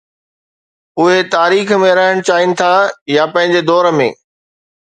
اهي تاريخ ۾ رهڻ چاهين ٿا يا پنهنجي دور ۾؟